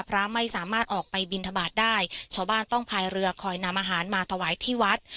พระไม่สามารถออกไปบินทบาทได้ชาวบ้านต้องพายเรือคอยนำอาหารมาถวายที่วัด